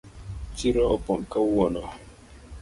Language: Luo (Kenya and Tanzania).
Chiro opong’ kawuono.